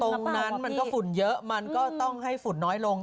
มันก็ฝุ่นเยอะมันก็ต้องให้ฝุ่นน้อยลง